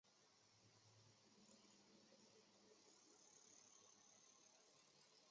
努尔哈赤的三伯祖索长阿之子龙敦也很积极地参与谋害努尔哈赤。